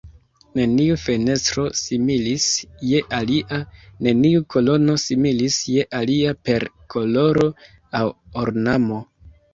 Neniu fenestro similis je alia, neniu kolono similis je alia per koloro aŭ ornamo.